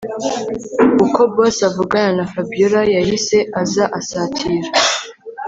uko boss avugana na Fabiora yahise aza asatira